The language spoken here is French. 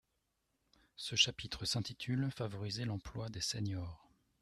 Ce chapitre s’intitule Favoriser l’emploi des seniors.